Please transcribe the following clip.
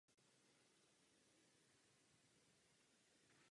Rovnost mezi lidmi.